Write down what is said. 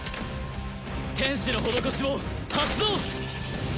天使の施しを発動！